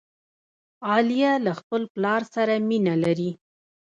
عالیه له خپل پلار سره مینه لري.